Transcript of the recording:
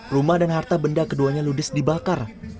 rumah dan harta benda keduanya ludes dibakar